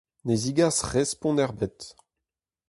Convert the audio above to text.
Ne zegas respont ebet.